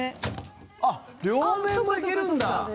あっ両面もいけるんだ！